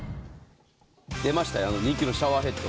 出ましたよ、人気のシャワーヘッド。